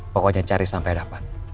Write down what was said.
pokoknya cari sampai dapat